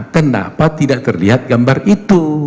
kenapa tidak terlihat gambar itu